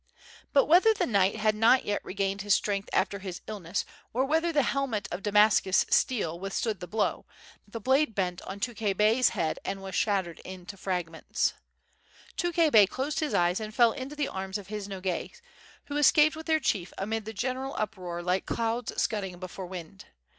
But whether the knight had not yet re gained his strength after his illness, or whether the helmet of Damascus steel withstood the blow, the blade bent on Tukhay Bey's head and was shattered to fragments. Tukhay IBey closed his eyes and fell into the arms of his Nogais who escaped with their chief amid the general uproar like clouds scudding before wind.